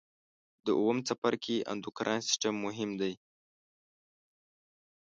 د اووم څپرکي اندورکاین سیستم مهم دی.